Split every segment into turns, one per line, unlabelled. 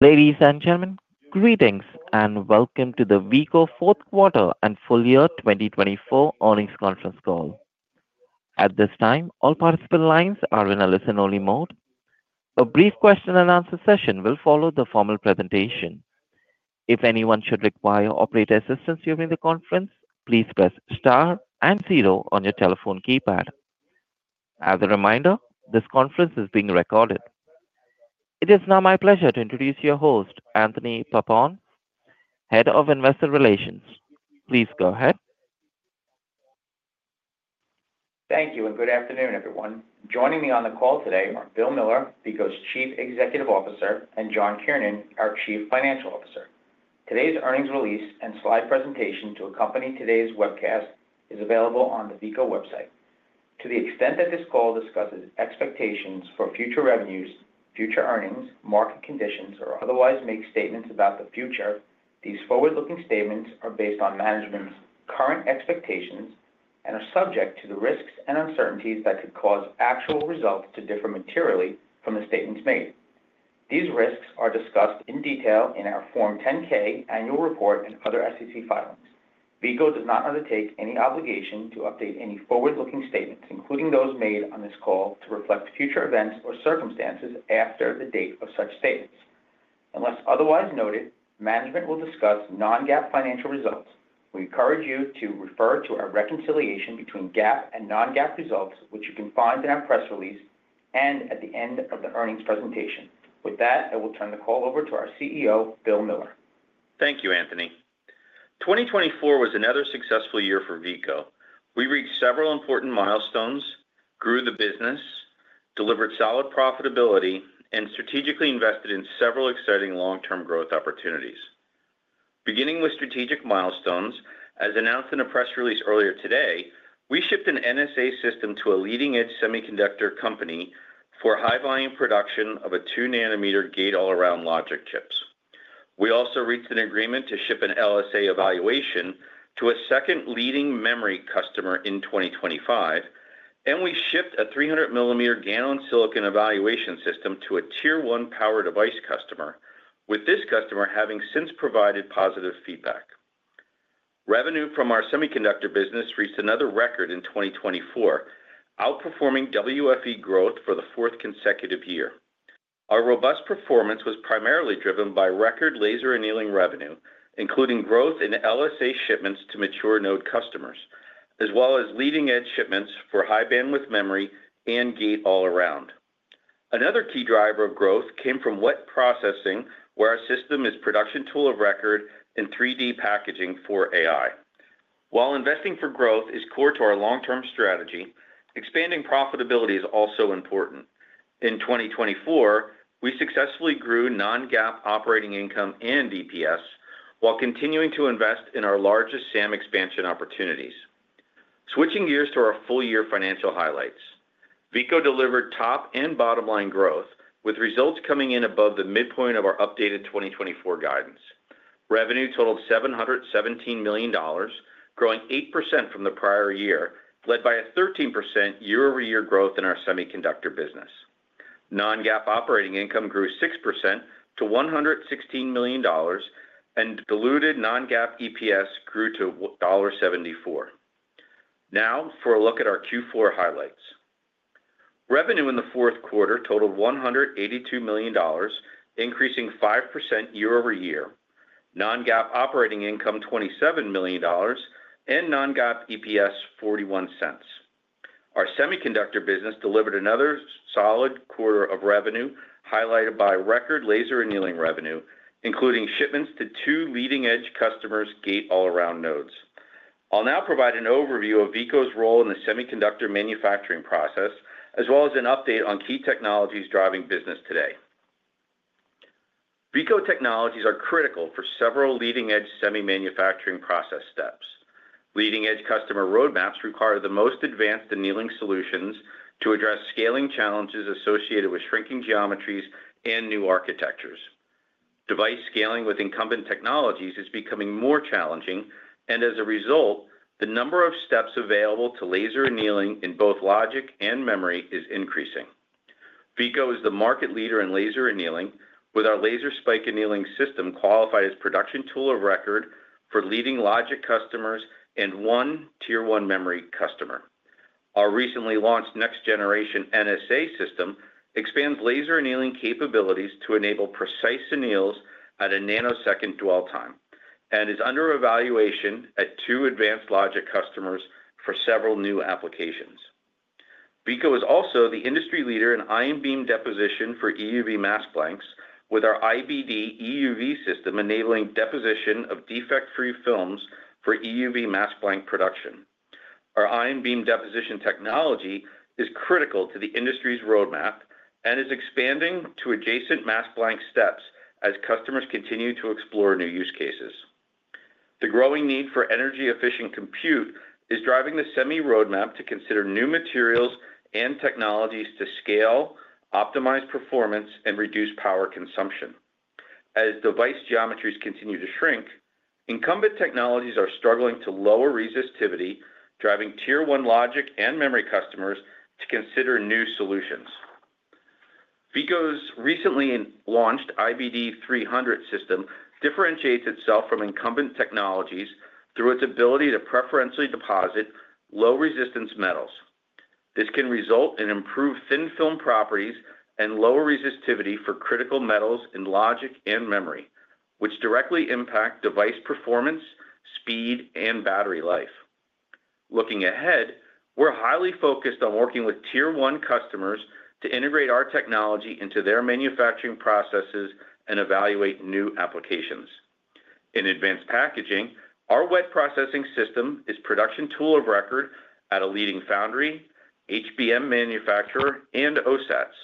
Ladies and gentlemen, greetings and welcome to the Veeco Fourth Quarter and Full Year 2024 Earnings Conference Call. At this time, all participant lines are in a listen-only mode. A brief question-and-answer session will follow the formal presentation. If anyone should require operator assistance during the conference, please press star and zero on your telephone keypad. As a reminder, this conference is being recorded. It is now my pleasure to introduce your host, Anthony Pappone, Head of Investor Relations. Please go ahead.
Thank you and good afternoon, everyone. Joining me on the call today are Bill Miller, Veeco's Chief Executive Officer, and John Kiernan, our Chief Financial Officer. Today's earnings release and slide presentation to accompany today's webcast is available on the Veeco website. To the extent that this call discusses expectations for future revenues, future earnings, market conditions, or otherwise make statements about the future, these forward-looking statements are based on management's current expectations and are subject to the risks and uncertainties that could cause actual results to differ materially from the statements made. These risks are discussed in detail in our Form 10-K annual report and other SEC filings. Veeco does not undertake any obligation to update any forward-looking statements, including those made on this call, to reflect future events or circumstances after the date of such statements. Unless otherwise noted, management will discuss non-GAAP financial results. We encourage you to refer to our reconciliation between GAAP and non-GAAP results, which you can find in our press release and at the end of the earnings presentation. With that, I will turn the call over to our CEO, Bill Miller.
Thank you, Anthony. 2024 was another successful year for Veeco. We reached several important milestones, grew the business, delivered solid profitability, and strategically invested in several exciting long-term growth opportunities. Beginning with strategic milestones, as announced in a press release earlier today, we shipped an NSA system to a leading-edge semiconductor company for high-volume production of a two-nanometer Gate-All-Around logic chips. We also reached an agreement to ship an LSA evaluation to a second leading memory customer in 2025, and we shipped a 300-millimeter GaN-on-Silicon evaluation system to a tier-one power device customer, with this customer having since provided positive feedback. Revenue from our semiconductor business reached another record in 2024, outperforming WFE growth for the fourth consecutive year. Our robust performance was primarily driven by record laser annealing revenue, including growth in LSA shipments to mature node customers, as well as leading-edge shipments for High Bandwidth Memory and Gate-All-Around. Another key driver of growth came from Wet Processing, where our system is production tool of record in 3D packaging for AI. While investing for growth is core to our long-term strategy, expanding profitability is also important. In 2024, we successfully grew non-GAAP operating income and EPS while continuing to invest in our largest SAM expansion opportunities. Switching gears to our full-year financial highlights, Veeco delivered top and bottom-line growth, with results coming in above the midpoint of our updated 2024 guidance. Revenue totaled $717 million, growing 8% from the prior year, led by a 13% year-over-year growth in our semiconductor business. Non-GAAP operating income grew 6% to $116 million, and diluted non-GAAP EPS grew to $1.74. Now, for a look at our Q4 highlights. Revenue in the fourth quarter totaled $182 million, increasing 5% year-over-year. Non-GAAP operating income $27 million, and non-GAAP EPS $0.41. Our semiconductor business delivered another solid quarter of revenue highlighted by record laser annealing revenue, including shipments to two leading-edge customers' Gate-All-Around nodes. I'll now provide an overview of Veeco's role in the semiconductor manufacturing process, as well as an update on key technologies driving business today. Veeco technologies are critical for several leading-edge semi-manufacturing process steps. Leading-edge customer roadmaps require the most advanced annealing solutions to address scaling challenges associated with shrinking geometries and new architectures. Device scaling with incumbent technologies is becoming more challenging, and as a result, the number of steps available to laser annealing in both logic and memory is increasing. Veeco is the market leader in laser annealing, with our Laser Spike Annealing system qualified as production tool of record for leading logic customers and one tier-one memory customer. Our recently launched next-generation NSA system expands laser annealing capabilities to enable precise anneals at a nanosecond dwell time and is under evaluation at two advanced logic customers for several new applications. Veeco is also the industry leader in Ion Beam Deposition for EUV mask blanks, with our IBD EUV system enabling deposition of defect-free films for EUV mask blank production. Our Ion Beam Deposition technology is critical to the industry's roadmap and is expanding to adjacent mask blank steps as customers continue to explore new use cases. The growing need for energy-efficient compute is driving the semi roadmap to consider new materials and technologies to scale, optimize performance, and reduce power consumption. As device geometries continue to shrink, incumbent technologies are struggling to lower resistivity, driving tier-one logic and memory customers to consider new solutions. Veeco's recently launched IBD 300 system differentiates itself from incumbent technologies through its ability to preferentially deposit low-resistance metals. This can result in improved thin film properties and lower resistivity for critical metals in logic and memory, which directly impact device performance, speed, and battery life. Looking ahead, we're highly focused on working with tier-one customers to integrate our technology into their manufacturing processes and evaluate new applications. In Advanced Packaging, our Wet Processing system is production tool of record at a leading foundry, HBM manufacturer, and OSATs.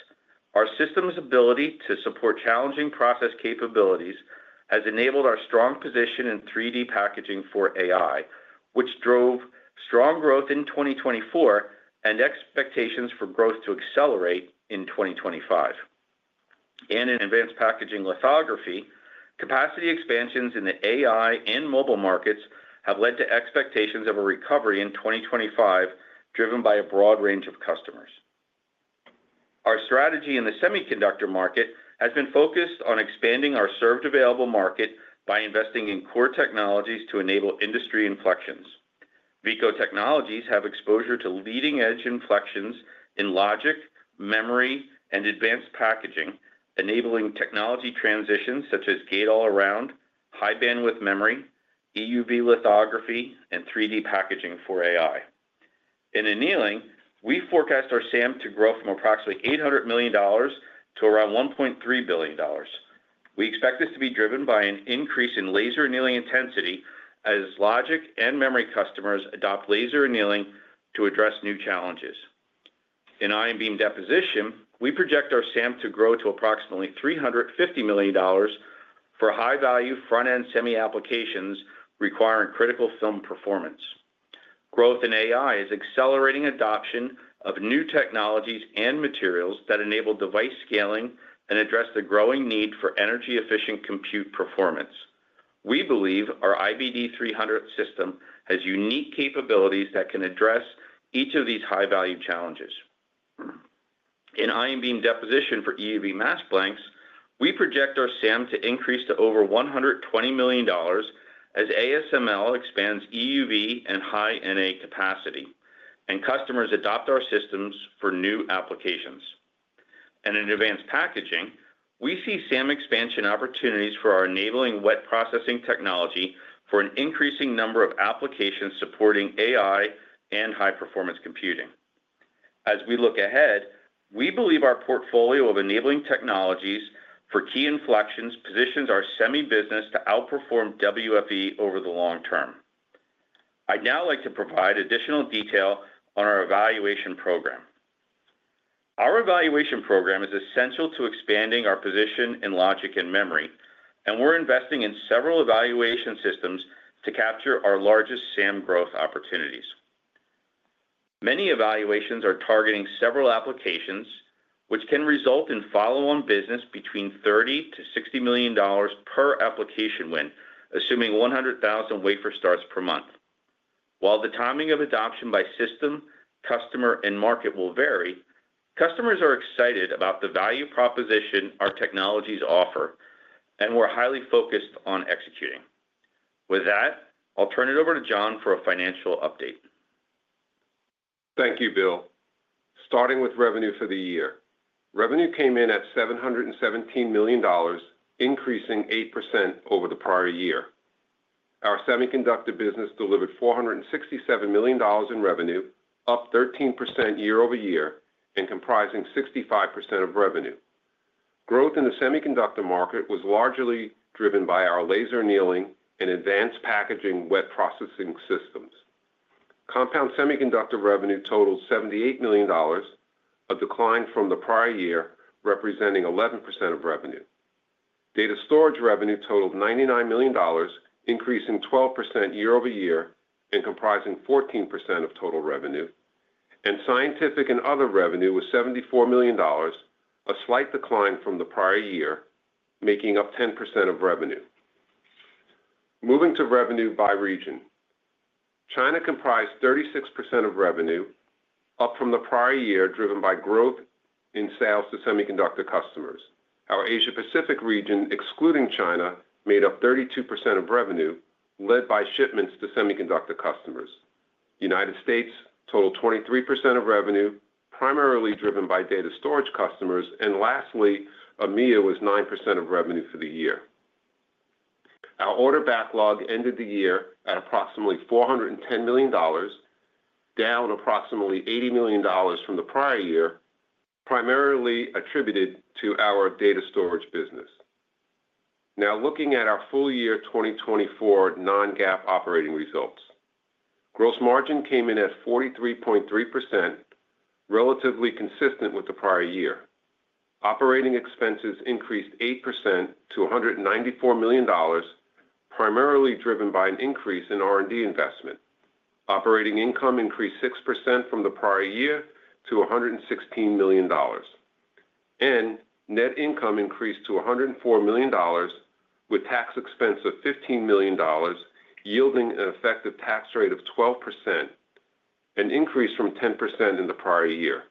Our system's ability to support challenging process capabilities has enabled our strong position in 3D packaging for AI, which drove strong growth in 2024 and expectations for growth to accelerate in 2025. And in Advanced Packaging lithography, capacity expansions in the AI and mobile markets have led to expectations of a recovery in 2025 driven by a broad range of customers. Our strategy in the semiconductor market has been focused on expanding our served available market by investing in core technologies to enable industry inflections. Veeco technologies have exposure to leading-edge inflections in logic, memory, and Advanced Packaging, enabling technology transitions such as Gate-All-Around, High Bandwidth Memory, EUV lithography, and 3D packaging for AI. In annealing, we forecast our SAM to grow from approximately $800 million to around $1.3 billion. We expect this to be driven by an increase in laser annealing intensity as logic and memory customers adopt laser annealing to address new challenges. In Ion Beam Deposition, we project our SAM to grow to approximately $350 million for high-value front-end semi applications requiring critical film performance. Growth in AI is accelerating adoption of new technologies and materials that enable device scaling and address the growing need for energy-efficient compute performance. We believe our IBD 300 system has unique capabilities that can address each of these high-value challenges. In Ion Beam Deposition for EUV mask blanks, we project our SAM to increase to over $120 million as ASML expands EUV and High NA capacity, and customers adopt our systems for new applications. And in Advanced Packaging, we see SAM expansion opportunities for our enabling Wet Processing technology for an increasing number of applications supporting AI and High-Performance Computing. As we look ahead, we believe our portfolio of enabling technologies for key inflections positions our semi business to outperform WFE over the long term. I'd now like to provide additional detail on our evaluation program. Our evaluation program is essential to expanding our position in logic and memory, and we're investing in several evaluation systems to capture our largest SAM growth opportunities. Many evaluations are targeting several applications, which can result in follow-on business between $30 million-$60 million per application win, assuming 100,000 wafer starts per month. While the timing of adoption by system, customer, and market will vary, customers are excited about the value proposition our technologies offer, and we're highly focused on executing. With that, I'll turn it over to John for a financial update.
Thank you, Bill. Starting with revenue for the year, revenue came in at $717 million, increasing 8% over the prior year. Our semiconductor business delivered $467 million in revenue, up 13% year-over-year and comprising 65% of revenue. Growth in the semiconductor market was largely driven by our laser annealing and Advanced Packaging Wet Processing systems. Compound Semiconductor revenue totaled $78 million, a decline from the prior year, representing 11% of revenue. Data Storage revenue totaled $99 million, increasing 12% year-over-year and comprising 14% of total revenue. And Scientific and Other revenue was $74 million, a slight decline from the prior year, making up 10% of revenue. Moving to revenue by region, China comprised 36% of revenue, up from the prior year driven by growth in sales to semiconductor customers. Our Asia-Pacific region, excluding China, made up 32% of revenue, led by shipments to semiconductor customers. United States totaled 23% of revenue, primarily driven by Data Storage customers. Lastly, EMEA was 9% of revenue for the year. Our order backlog ended the year at approximately $410 million, down approximately $80 million from the prior year, primarily attributed to our Data Storage business. Now, looking at our full-year 2024 non-GAAP operating results, gross margin came in at 43.3%, relatively consistent with the prior year. Operating expenses increased 8% to $194 million, primarily driven by an increase in R&D investment. Operating income increased 6% from the prior year to $116 million. Net income increased to $104 million, with tax expense of $15 million, yielding an effective tax rate of 12%, an increase from 10% in the prior year.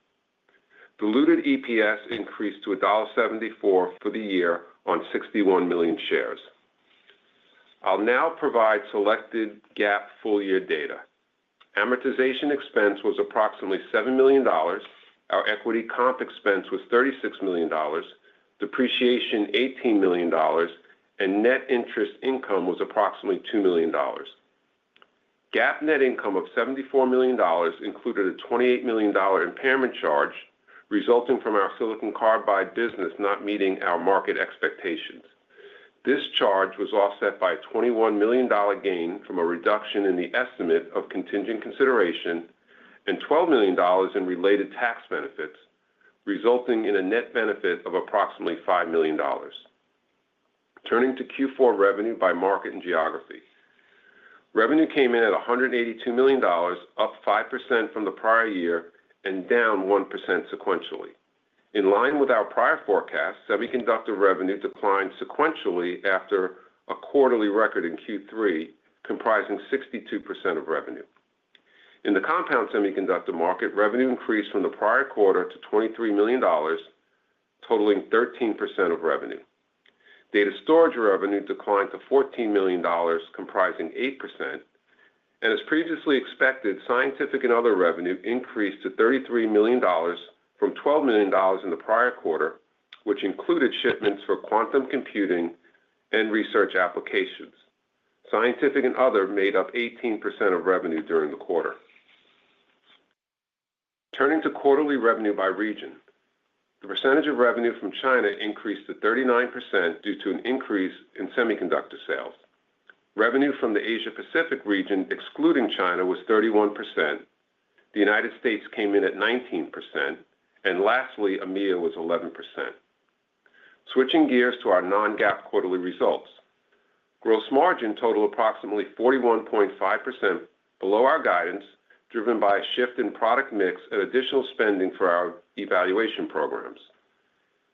Diluted EPS increased to $1.74 for the year on 61 million shares. I'll now provide selected GAAP full-year data. Amortization expense was approximately $7 million. Our equity comp expense was $36 million. Depreciation $18 million. And net interest income was approximately $2 million. GAAP net income of $74 million included a $28 million impairment charge resulting from our Silicon Carbide business not meeting our market expectations. This charge was offset by a $21 million gain from a reduction in the estimate of contingent consideration and $12 million in related tax benefits, resulting in a net benefit of approximately $5 million. Turning to Q4 revenue by market and geography, revenue came in at $182 million, up 5% from the prior year and down 1% sequentially. In line with our prior forecast, semiconductor revenue declined sequentially after a quarterly record in Q3, comprising 62% of revenue. In the Compound Semiconductor market, revenue increased from the prior quarter to $23 million, totaling 13% of revenue. Data Storage revenue declined to $14 million, comprising 8%. As previously expected, Scientific and Other revenue increased to $33 million from $12 million in the prior quarter, which included shipments for quantum computing and research applications. Scientific and Other made up 18% of revenue during the quarter. Turning to quarterly revenue by region, the percentage of revenue from China increased to 39% due to an increase in semiconductor sales. Revenue from the Asia-Pacific region, excluding China, was 31%. The United States came in at 19%. And lastly, EMEA was 11%. Switching gears to our non-GAAP quarterly results, gross margin totaled approximately 41.5%, below our guidance, driven by a shift in product mix and additional spending for our evaluation programs.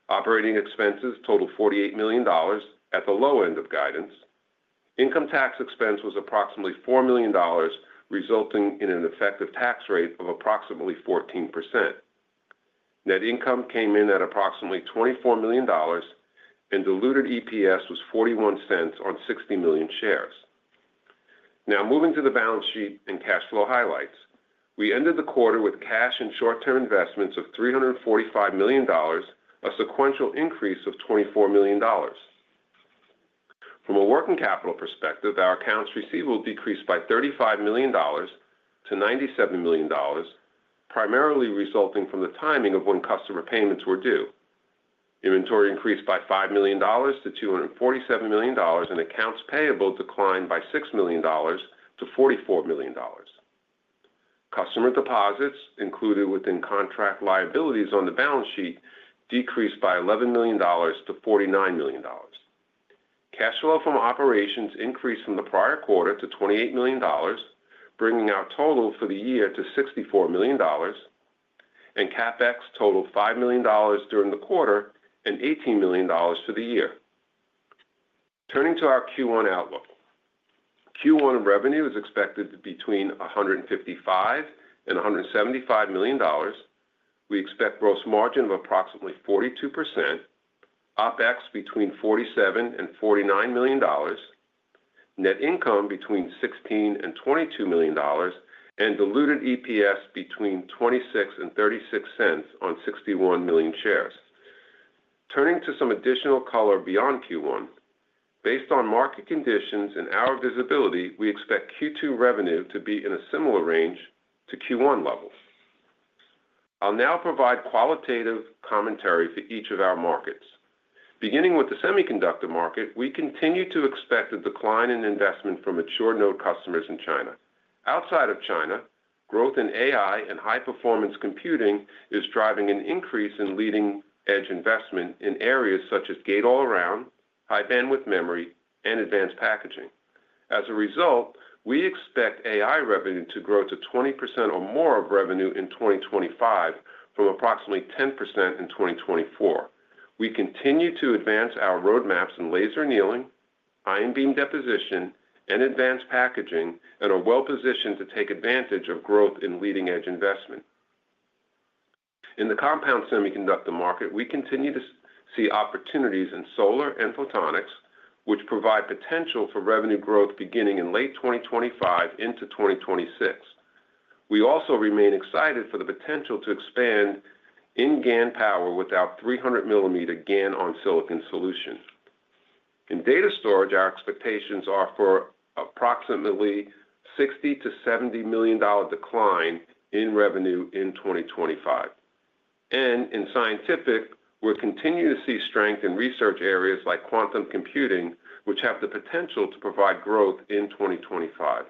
Operating expenses totaled $48 million at the low end of guidance. Income tax expense was approximately $4 million, resulting in an effective tax rate of approximately 14%. Net income came in at approximately $24 million, and diluted EPS was $0.41 on 60 million shares. Now, moving to the balance sheet and cash flow highlights, we ended the quarter with cash and short-term investments of $345 million, a sequential increase of $24 million. From a working capital perspective, our accounts receivable decreased by $35 million-$97 million, primarily resulting from the timing of when customer payments were due. Inventory increased by $5 million-$247 million, and accounts payable declined by $6 million-$44 million. Customer deposits, included within contract liabilities on the balance sheet, decreased by $11 million-$49 million. Cash flow from operations increased from the prior quarter to $28 million, bringing our total for the year to $64 million, and CapEx totaled $5 million during the quarter and $18 million for the year. Turning to our Q1 outlook, Q1 revenue is expected to be between $155 million and $175 million. We expect gross margin of approximately 42%, OpEx between $47 million and $49 million, net income between $16 million and $22 million, and diluted EPS between $0.26 and $0.36 on 61 million shares. Turning to some additional color beyond Q1, based on market conditions and our visibility, we expect Q2 revenue to be in a similar range to Q1 levels. I'll now provide qualitative commentary for each of our markets. Beginning with the semiconductor market, we continue to expect a decline in investment from mature node customers in China. Outside of China, growth in AI and High-Performance Computing is driving an increase in leading-edge investment in areas such as Gate-All-Around, High Bandwidth Memory, and Advanced Packaging. As a result, we expect AI revenue to grow to 20% or more of revenue in 2025 from approximately 10% in 2024. We continue to advance our roadmaps in laser annealing, Ion Beam Deposition, and Advanced Packaging, and are well-positioned to take advantage of growth in leading-edge investment. In the Compound Semiconductor market, we continue to see opportunities in solar and photonics, which provide potential for revenue growth beginning in late 2025 into 2026. We also remain excited for the potential to expand in GaN power with our 300-millimeter GaN-on-Silicon solution. In Data Storage, our expectations are for approximately $60 million-$70 million decline in revenue in 2025, and in scientific, we're continuing to see strength in research areas like quantum computing, which have the potential to provide growth in 2025.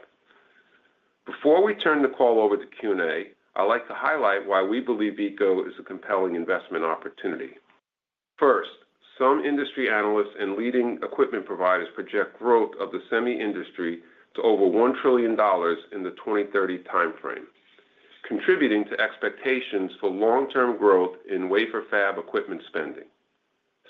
Before we turn the call over to Q&A, I'd like to highlight why we believe Veeco is a compelling investment opportunity. First, some industry analysts and leading equipment providers project growth of the semi industry to over $1 trillion in the 2030 timeframe, contributing to expectations for long-term growth in wafer fab equipment spending.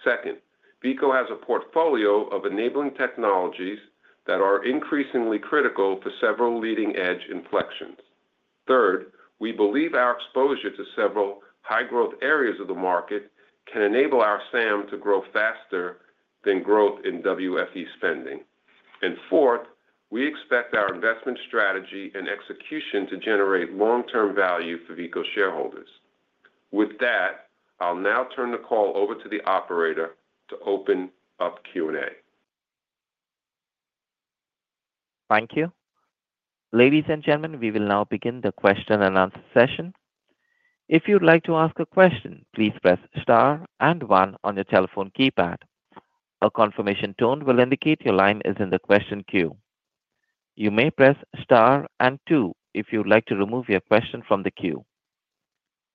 Second, Veeco has a portfolio of enabling technologies that are increasingly critical for several leading-edge inflections. Third, we believe our exposure to several high-growth areas of the market can enable our SAM to grow faster than growth in WFE spending. And fourth, we expect our investment strategy and execution to generate long-term value for Veeco shareholders. With that, I'll now turn the call over to the operator to open up Q&A.
Thank you. Ladies and gentlemen, we will now begin the question and answer session. If you'd like to ask a question, please press star and one on your telephone keypad. A confirmation tone will indicate your line is in the question queue. You may press star and two if you'd like to remove your question from the queue.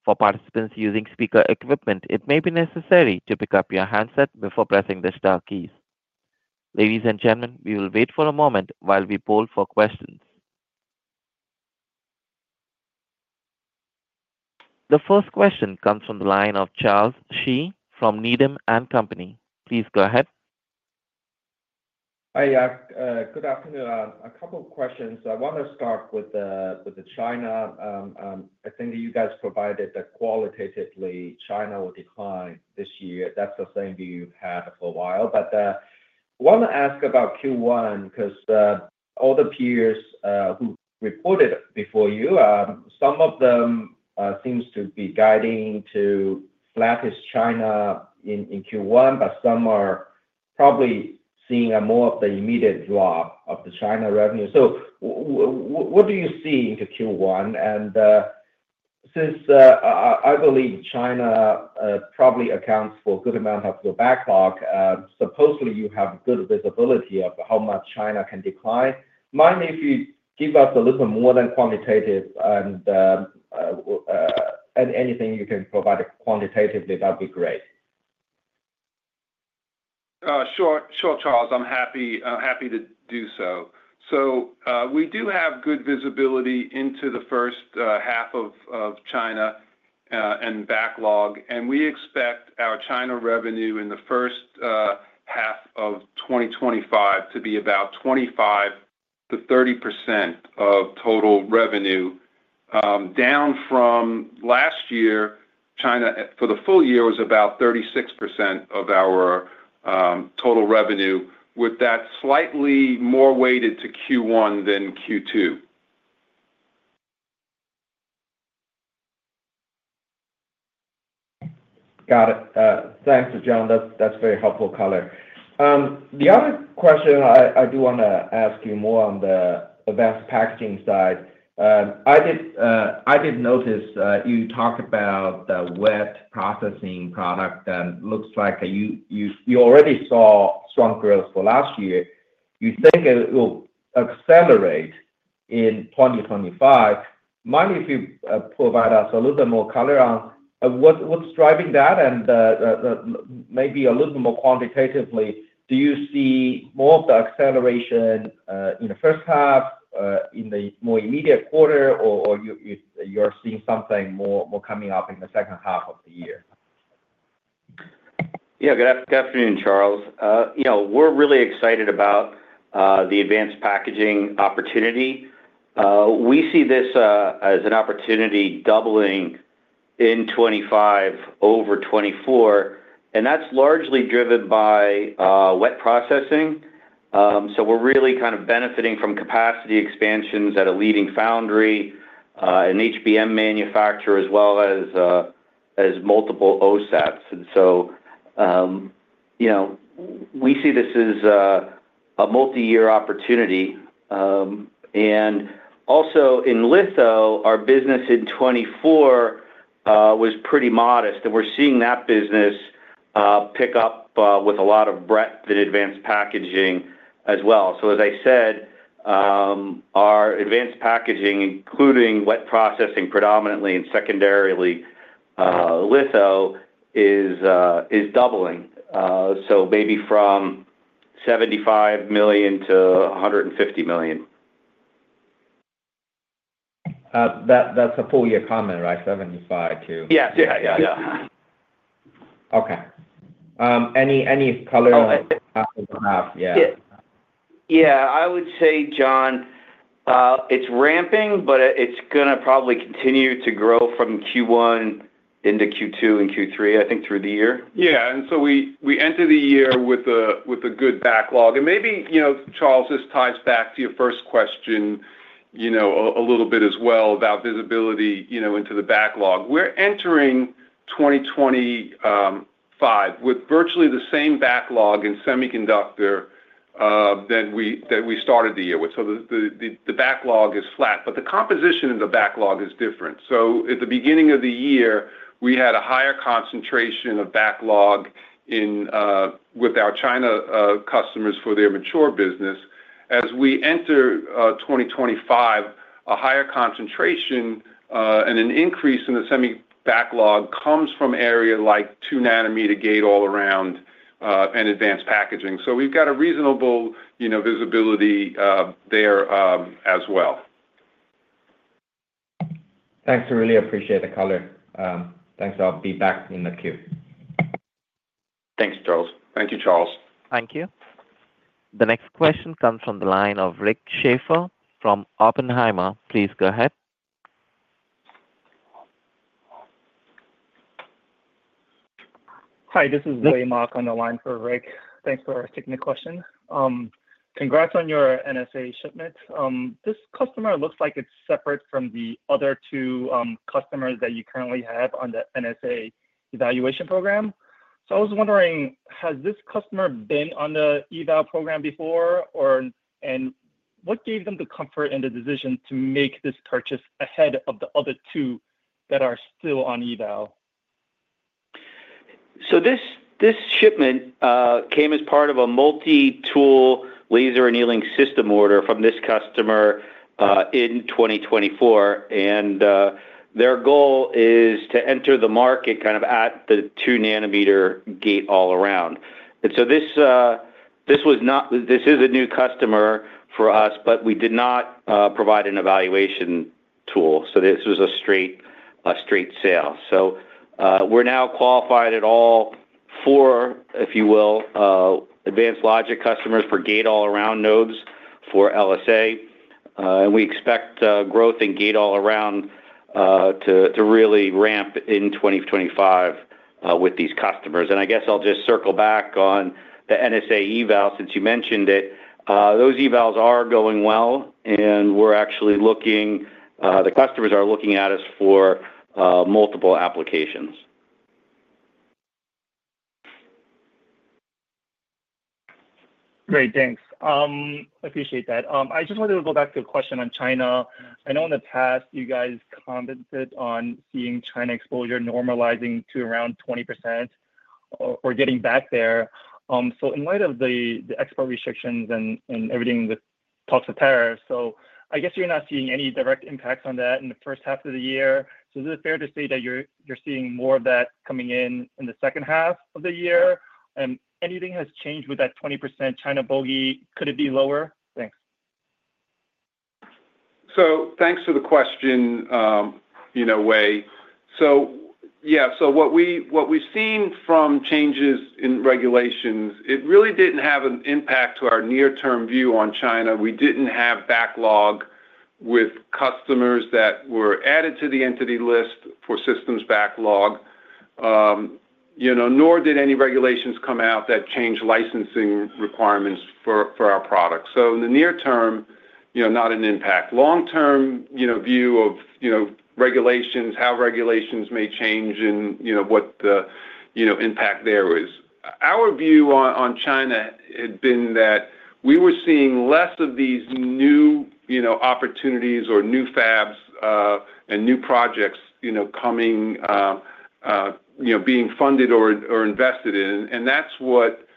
For participants using speaker equipment, it may be necessary to pick up your handset before pressing the star keys. Ladies and gentlemen, we will wait for a moment while we poll for questions. The first question comes from the line of Charles Shi from Needham & Company. Please go ahead.
Hi, good afternoon. A couple of questions. I want to start with the China. I think you guys provided that qualitatively, China will decline this year. That's the same view you've had for a while. But I want to ask about Q1 because all the peers who reported before you, some of them seem to be guiding to flattish China in Q1, but some are probably seeing more of the immediate drop of the China revenue. So what do you see into Q1? And since I believe China probably accounts for a good amount of your backlog, supposedly you have good visibility of how much China can decline. Mind if you give us a little more quantitative? And anything you can provide quantitatively, that'd be great.
Sure, sure, Charles. I'm happy to do so. So we do have good visibility into the first half of China and backlog. And we expect our China revenue in the first half of 2025 to be about 25%-30% of total revenue. Down from last year, China for the full year was about 36% of our total revenue, with that slightly more weighted to Q1 than Q2.
Got it. Thanks, John. That's very helpful, color. The other question I do want to ask you more on the Advanced Packaging side. I did notice you talked about the Wet Processing product. And it looks like you already saw strong growth for last year. You think it will accelerate in 2025. Mind if you provide us a little bit more color on what's driving that? And maybe a little bit more quantitatively, do you see more of the acceleration in the first half, in the more immediate quarter, or you're seeing something more coming up in the second half of the year?
Yeah, good afternoon, Charles. We're really excited about the Advanced Packaging opportunity. We see this as an opportunity doubling in 2025 over 2024. And that's largely driven by Wet Processing. So we're really kind of benefiting from capacity expansions at a leading foundry, an HBM manufacturer, as well as multiple OSATs. And so we see this as a multi-year opportunity. And also in Litho, our business in 2024 was pretty modest. And we're seeing that business pick up with a lot of breadth in Advanced Packaging as well. So as I said, our Advanced Packaging, including Wet Processing predominantly and secondarily Litho, is doubling. So maybe from $75 million-$150 million.
That's a full-year comment, right? $75 million to.
Yeah, yeah, yeah, yeah.
Okay. Any color on the half and half? Yeah.
Yeah. I would say, John, it's ramping, but it's going to probably continue to grow from Q1 into Q2 and Q3, I think, through the year.
Yeah. And so we enter the year with a good backlog. And maybe, Charles, this ties back to your first question a little bit as well about visibility into the backlog. We're entering 2025 with virtually the same backlog in semiconductor that we started the year with. So the backlog is flat. But the composition of the backlog is different. So at the beginning of the year, we had a higher concentration of backlog with our China customers for their mature business. As we enter 2025, a higher concentration and an increase in the semi backlog comes from areas like 2-nanometer Gate-All-Around and Advanced Packaging. So we've got a reasonable visibility there as well.
Thanks. I really appreciate the color. Thanks. I'll be back in the queue.
Thanks, Charles. Thank you, Charles.
Thank you. The next question comes from the line of Rick Schafer from Oppenheimer. Please go ahead.
Hi, this is Wei Mok on the line for Rick. Thanks for taking the question. Congrats on your NSA shipment. This customer looks like it's separate from the other two customers that you currently have on the NSA evaluation program. So I was wondering, has this customer been on the eval program before? And what gave them the comfort and the decision to make this purchase ahead of the other two that are still on eval?
This shipment came as part of a multi-tool laser annealing system order from this customer in 2024. Their goal is to enter the market kind of at the two-nanometer Gate-All-Around. This is a new customer for us, but we did not provide an evaluation tool. This was a straight sale. We're now qualified at all four, if you will, advanced logic customers for Gate-All-Around nodes for LSA. We expect growth in Gate-All-Around to really ramp in 2025 with these customers. I guess I'll just circle back on the NSA eval since you mentioned it. Those evals are going well. We're actually looking. The customers are looking at us for multiple applications.
Great. Thanks. I appreciate that. I just wanted to go back to a question on China. I know in the past, you guys commented on seeing China exposure normalizing to around 20% or getting back there. So in light of the export restrictions and everything with talks of tariffs, so I guess you're not seeing any direct impacts on that in the first half of the year. So is it fair to say that you're seeing more of that coming in in the second half of the year? And anything has changed with that 20% China bogey? Could it be lower? Thanks.
So thanks for the question in a way. So yeah, so what we've seen from changes in regulations, it really didn't have an impact to our near-term view on China. We didn't have backlog with customers that were added to the entity list for systems backlog. Nor did any regulations come out that changed licensing requirements for our products. So in the near term, not an impact. Long-term view of regulations, how regulations may change and what the impact there is. Our view on China had been that we were seeing less of these new opportunities or new fabs and new projects coming, being funded or invested in, and that's what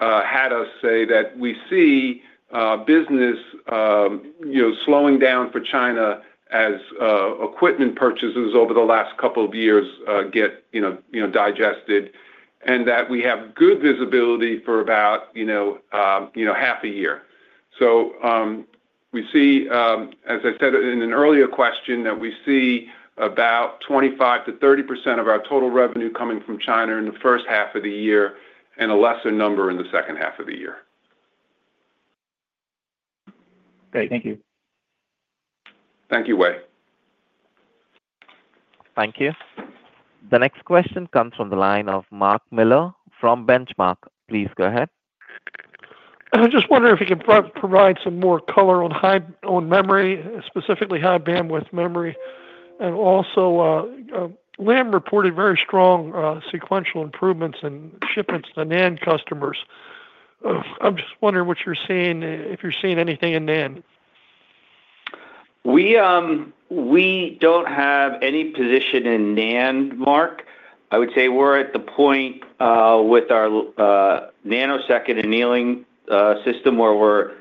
had us say that we see business slowing down for China as equipment purchases over the last couple of years get digested and that we have good visibility for about half a year. So we see, as I said in an earlier question, that we see about 25%-30% of our total revenue coming from China in the first half of the year and a lesser number in the second half of the year.
Great. Thank you.
Thank you, Wei.
Thank you. The next question comes from the line of Mark Miller from Benchmark. Please go ahead.
I'm just wondering if you can provide some more color on memory, specifically High Bandwidth Memory? And also, Lam reported very strong sequential improvements in shipments to NAND customers. I'm just wondering if you're seeing anything in NAND?
We don't have any position in NAND, Mark. I would say we're at the point with our Nanosecond Annealing system where we're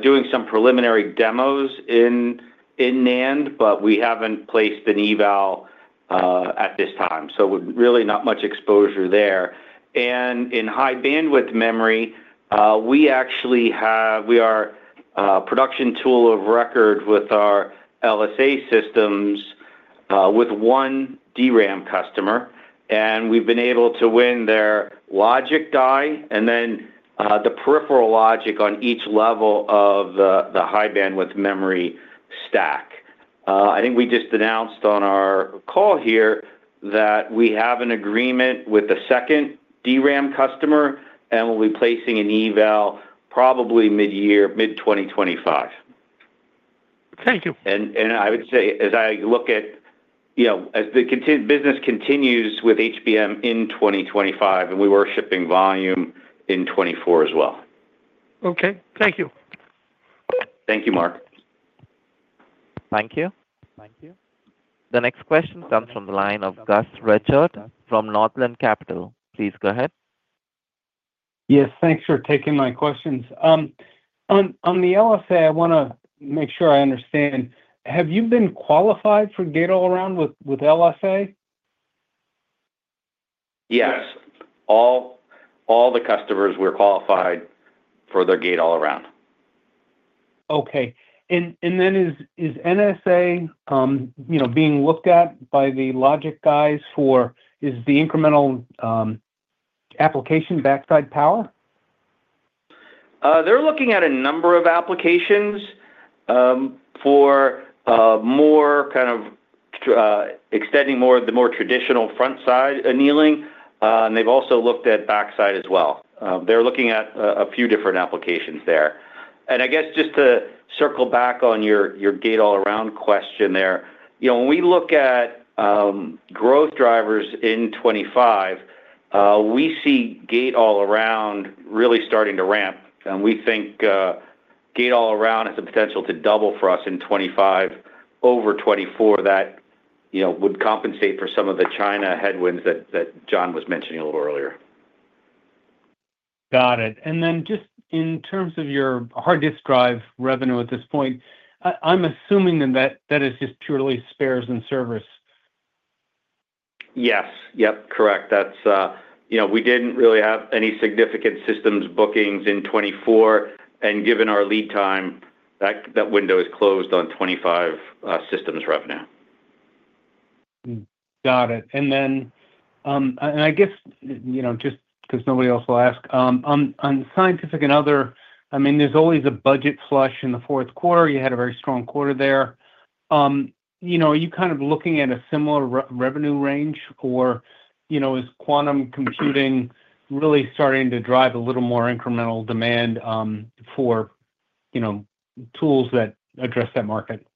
doing some preliminary demos in NAND, but we haven't placed an eval at this time, so really not much exposure there, and in High Bandwidth Memory, we actually have, we are a production tool of record with our LSA systems with one DRAM customer. And we've been able to win their logic die and then the peripheral logic on each level of the High Bandwidth Memory stack. I think we just announced on our call here that we have an agreement with the second DRAM customer, and we'll be placing an eval probably mid-year, mid-2025.
Thank you.
I would say, as I look at the business continues with HBM in 2025, and we were shipping volume in 2024 as well.
Okay. Thank you.
Thank you, Mark.
Thank you. Thank you. The next question comes from the line of Gus Richard from Northland Capital. Please go ahead.
Yes. Thanks for taking my questions. On the LSA, I want to make sure I understand. Have you been qualified for Gate-All-Around with LSA?
Yes. All the customers were qualified for their Gate-All-Around.
Okay. And then is NSA being looked at by the logic guys for is the incremental application backside power?
They're looking at a number of applications for more kind of extending the more traditional front-side annealing. And they've also looked at backside as well. They're looking at a few different applications there. And I guess just to circle back on your Gate-All-Around question there, when we look at growth drivers in 2025, we see Gate-All-Around really starting to ramp. And we think Gate-All-Around has the potential to double for us in 2025 over 2024. That would compensate for some of the China headwinds that John was mentioning a little earlier.
Got it, and then just in terms of your hard disk drive revenue at this point, I'm assuming that that is just purely spares and service.
Yes. Yep. Correct. We didn't really have any significant systems bookings in 2024. And given our lead time, that window is closed on 2025 systems revenue.
Got it, and I guess just because nobody else will ask, on Scientific and Other, I mean, there's always a budget flush in the fourth quarter. You had a very strong quarter there. Are you kind of looking at a similar revenue range, or is quantum computing really starting to drive a little more incremental demand for tools that address that market?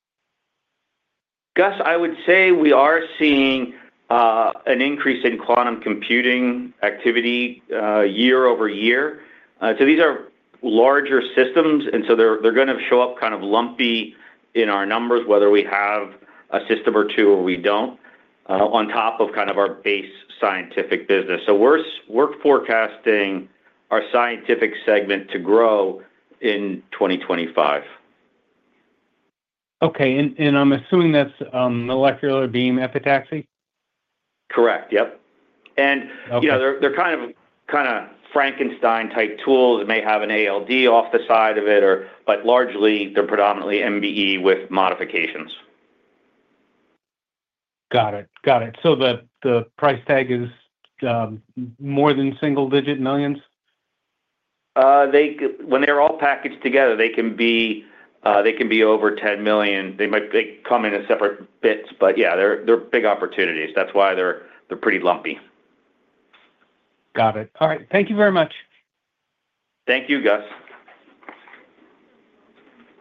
Gus, I would say we are seeing an increase in quantum computing activity year over year, so these are larger systems, and so they're going to show up kind of lumpy in our numbers, whether we have a system or two or we don't, on top of kind of our base scientific business, so we're forecasting our scientific segment to grow in 2025.
Okay. And I'm assuming that's Molecular Beam Epitaxy?
Correct. Yep, and they're kind of Frankenstein-type tools. It may have an ALD off the side of it, but largely, they're predominantly MBE with modifications.
Got it. Got it. So the price tag is more than single-digit millions?
When they're all packaged together, they can be over 10 million. They come in as separate bits. But yeah, they're big opportunities. That's why they're pretty lumpy.
Got it. All right. Thank you very much.
Thank you, Gus.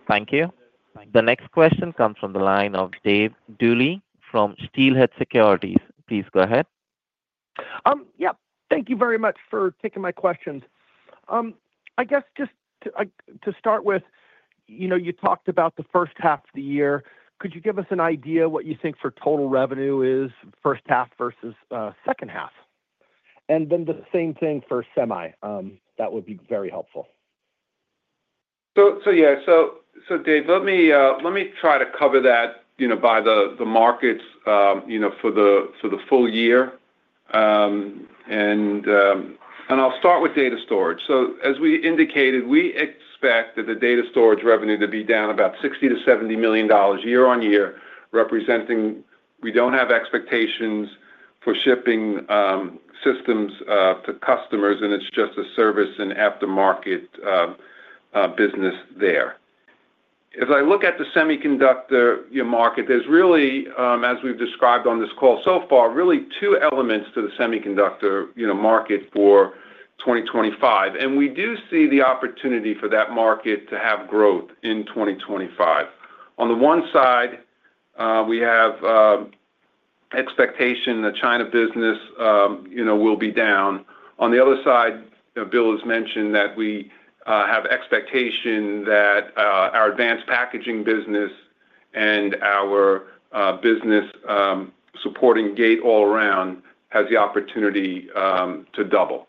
Thank you. The next question comes from the line of Dave Duley from Steelhead Securities. Please go ahead.
Yep. Thank you very much for taking my questions. I guess just to start with, you talked about the first half of the year. Could you give us an idea of what you think for total revenue is, first half versus second half? And then the same thing for semi. That would be very helpful.
So yeah. Dave, let me try to cover that by the markets for the full year. I'll start with Data Storage. As we indicated, we expect that the Data Storage revenue to be down about $60 million-$70 million year on year, representing we don't have expectations for shipping systems to customers, and it's just a service and aftermarket business there. As I look at the semiconductor market, there's really, as we've described on this call so far, really two elements to the semiconductor market for 2025. We do see the opportunity for that market to have growth in 2025. On the one side, we have expectation that China business will be down. On the other side, Bill has mentioned that we have expectation that our Advanced Packaging business and our business supporting Gate-All-Around has the opportunity to double.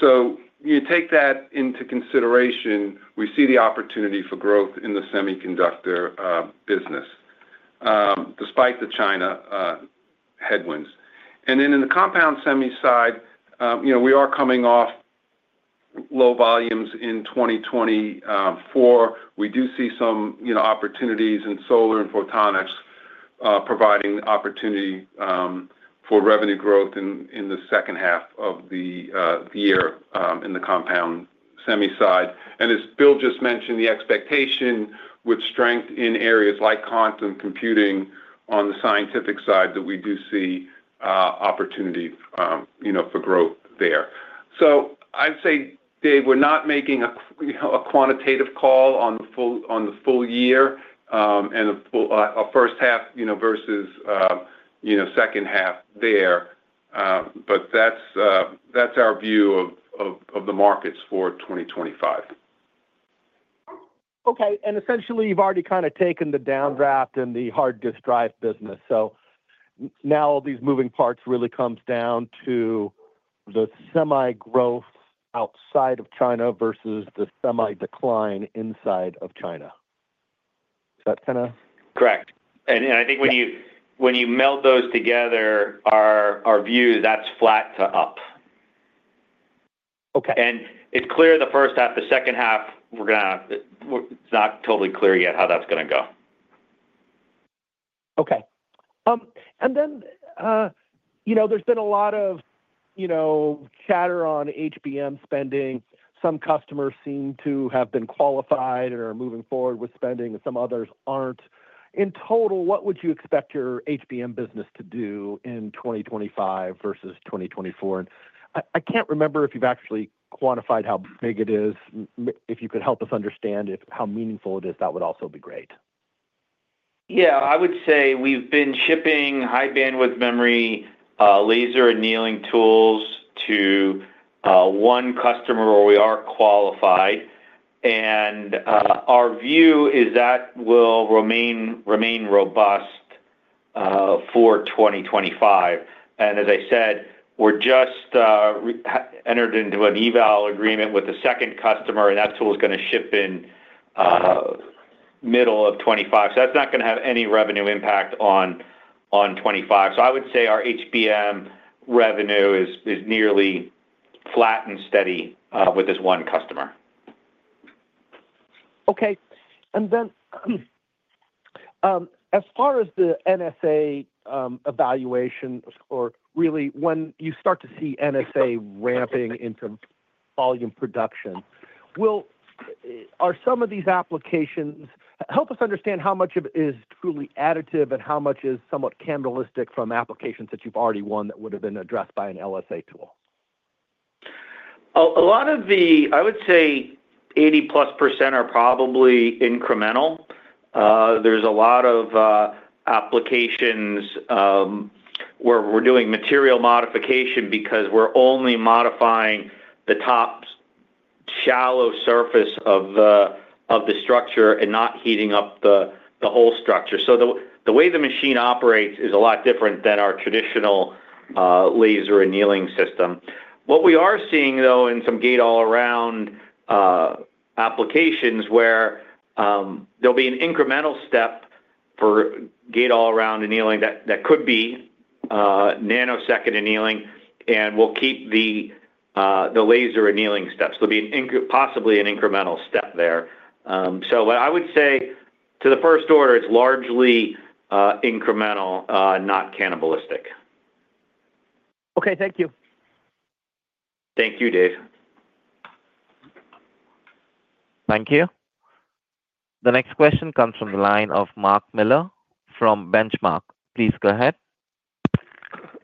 So you take that into consideration. We see the opportunity for growth in the semiconductor business despite the China headwinds. And then in the compound semi side, we are coming off low volumes in 2024. We do see some opportunities in solar and photonics providing opportunity for revenue growth in the second half of the year in the compound semi side. And as Bill just mentioned, the expectation with strength in areas like quantum computing on the scientific side that we do see opportunity for growth there. So I'd say, Dave, we're not making a quantitative call on the full year and the first half versus second half there. But that's our view of the markets for 2025.
Okay. And essentially, you've already kind of taken the downdraft in the hard disk drive business. So now all these moving parts really come down to the semi growth outside of China versus the semi decline inside of China. Is that kind of?
Correct. And I think when you meld those together, our view, that's flat to up. And it's clear the first half. The second half, we're going to, it's not totally clear yet how that's going to go.
Okay. And then there's been a lot of chatter on HBM spending. Some customers seem to have been qualified and are moving forward with spending, and some others aren't. In total, what would you expect your HBM business to do in 2025 versus 2024? And I can't remember if you've actually quantified how big it is. If you could help us understand how meaningful it is, that would also be great.
Yeah. I would say we've been shipping High Bandwidth Memory laser annealing tools to one customer where we are qualified, and our view is that will remain robust for 2025. And as I said, we're just entered into an eval agreement with a second customer, and that tool is going to ship in middle of 2025. So that's not going to have any revenue impact on 2025. So I would say our HBM revenue is nearly flat and steady with this one customer.
Okay. And then as far as the NSA evaluation, or really when you start to see NSA ramping into volume production, are some of these applications help us understand how much of it is truly additive and how much is somewhat cannibalistic from applications that you've already won that would have been addressed by an LSA tool?
A lot of the, I would say, 80+% are probably incremental. There's a lot of applications where we're doing material modification because we're only modifying the top shallow surface of the structure and not heating up the whole structure. So the way the machine operates is a lot different than our traditional laser annealing system. What we are seeing, though, in some Gate-All-Around applications where there'll be an incremental step for Gate-All-Around annealing that could be Nanosecond Annealing, and we'll keep the laser annealing steps. There'll be possibly an incremental step there. So I would say to the first order, it's largely incremental, not cannibalistic.
Okay. Thank you.
Thank you, Dave.
Thank you. The next question comes from the line of Mark Miller from Benchmark. Please go ahead.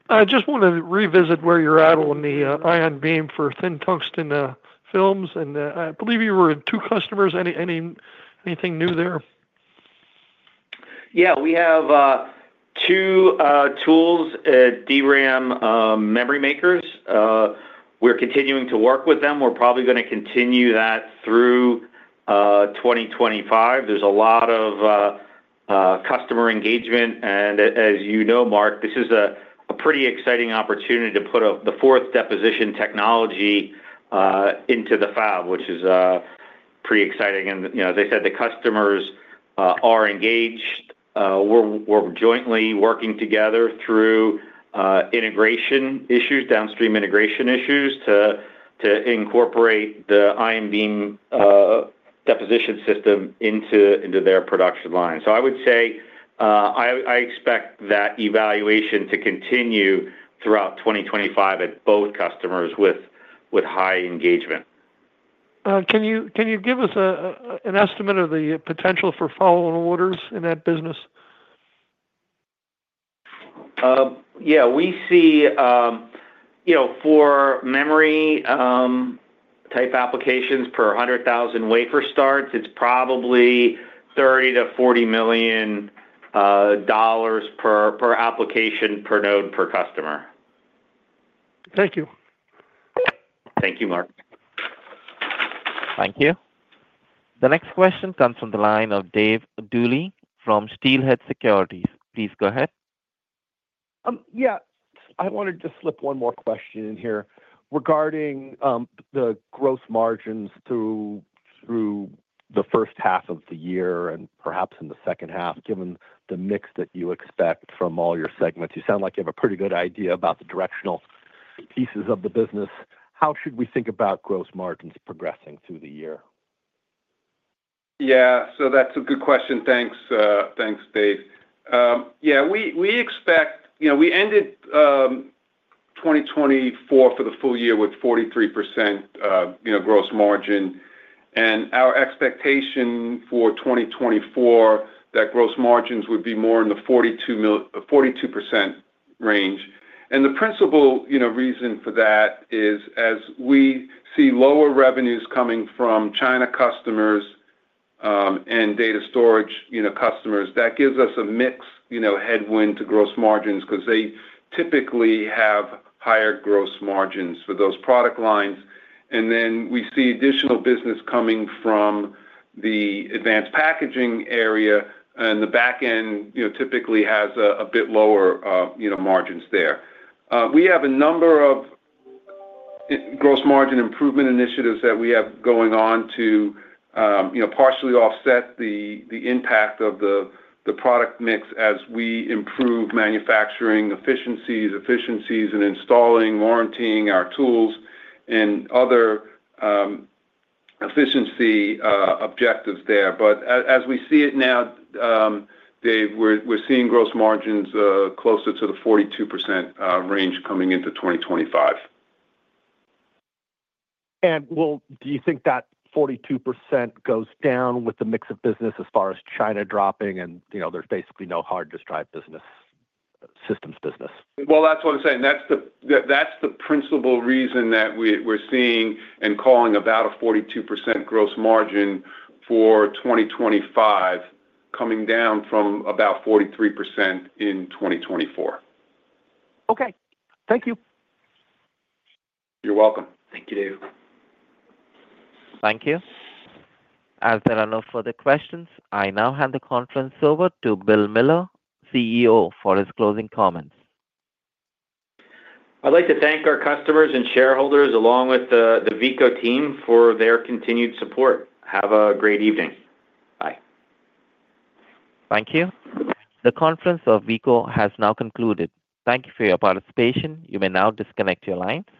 I just want to revisit where you're at on the Ion Beam for thin tungsten films, and I believe you were two customers. Anything new there?
Yeah. We have two tools, DRAM memory makers. We're continuing to work with them. We're probably going to continue that through 2025. There's a lot of customer engagement. And as you know, Mark, this is a pretty exciting opportunity to put the fourth deposition technology into the flow, which is pretty exciting. And as I said, the customers are engaged. We're jointly working together through integration issues, downstream integration issues to incorporate the Ion Beam Deposition system into their production line. So I would say I expect that evaluation to continue throughout 2025 at both customers with high engagement.
Can you give us an estimate of the potential for follow-on orders in that business?
Yeah. We see for memory-type applications per 100,000 wafer starts, it's probably $30 million-$40 million per application per node per customer.
Thank you.
Thank you, Mark.
Thank you. The next question comes from the line of Dave Duley from Steelhead Securities. Please go ahead.
Yeah. I wanted to slip one more question in here regarding the gross margins through the first half of the year and perhaps in the second half, given the mix that you expect from all your segments. You sound like you have a pretty good idea about the directional pieces of the business. How should we think about gross margins progressing through the year?
Yeah. So that's a good question. Thanks, Dave. Yeah. We expect we ended 2024 for the full year with 43% gross margin. And our expectation for 2024, that gross margins would be more in the 42% range. And the principal reason for that is as we see lower revenues coming from China customers and Data Storage customers, that gives us a mixed headwind to gross margins because they typically have higher gross margins for those product lines. And then we see additional business coming from the Advanced Packaging area, and the back end typically has a bit lower margins there. We have a number of gross margin improvement initiatives that we have going on to partially offset the impact of the product mix as we improve manufacturing efficiencies, efficiencies in installing, warranting our tools, and other efficiency objectives there. But as we see it now, Dave, we're seeing gross margins closer to the 42% range coming into 2025.
Do you think that 42% goes down with the mix of business as far as China dropping and there's basically no hard disk drive systems business?
That's what I'm saying. That's the principal reason that we're seeing and calling about a 42% gross margin for 2025 coming down from about 43% in 2024.
Okay. Thank you.
You're welcome.
Thank you, Dave.
Thank you. As there are no further questions, I now hand the conference over to Bill Miller, CEO, for his closing comments.
I'd like to thank our customers and shareholders along with the Veeco team for their continued support. Have a great evening. Bye.
Thank you. The conference of Veeco has now concluded. Thank you for your participation. You may now disconnect your lines.